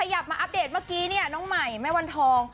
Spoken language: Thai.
อยากมาอัปเดตเมื่อกี้เนี่ยน้องใหม่แม่วันทอง